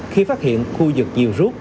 khi phát hiện khu vực nhiều rút